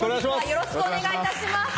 よろしくお願いします！